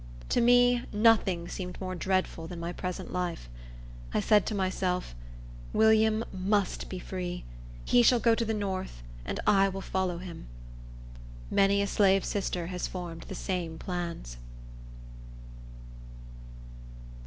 To me, nothing seemed more dreadful than my present life. I said to myself, "William must be free. He shall go to the north, and I will follow him." Many a slave sister has formed the same plans.